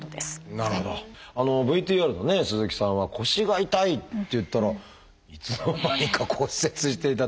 ＶＴＲのね鈴木さんは腰が痛いっていったらいつの間にか骨折していたって。